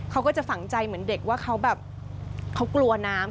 เขาก็จะฝังใจเหมือนเด็กว่าเขาแบบเขากลัวน้ำ